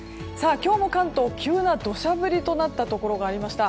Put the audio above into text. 今日も関東急な土砂降りとなったところがありました。